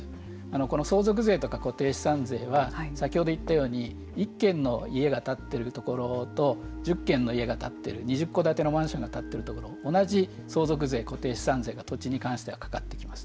この相続税とか固定資産税は先ほど言ったように１軒の家が建っているところと１０軒の家が建っている２０戸建てのマンションが建っている同じ相続税、固定資産税が土地に関してはかかってきます。